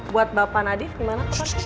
buat bapak nadif gimana